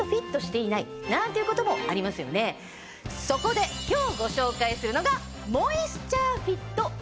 そこで今日ご紹介するのが。